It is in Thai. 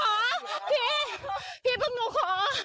ในฆ่าแม่งผมรู้หรอพี่